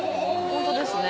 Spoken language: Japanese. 本当ですね。